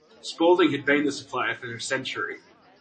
Spalding had been the supplier for a century.